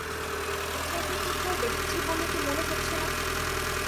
আপনাকে কোথাও দেখেছি বলে তো মনে হচ্ছে না।